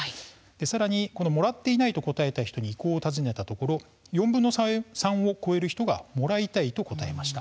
さらに、もらっていないと答えた人に意向を尋ねたところ４分の３を超える人がそうですよね